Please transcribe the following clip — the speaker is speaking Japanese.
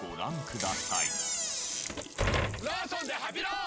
ローソンでハピろー！